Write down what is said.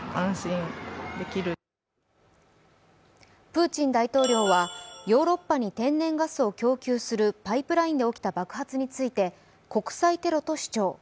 プーチン大統領はヨーロッパに天然ガスを供給するパイプラインで起きた爆発について、国際テロと主張。